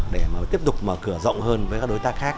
để mà tiếp tục mở cửa rộng hơn với các đối tác khác